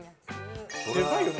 でかいよね？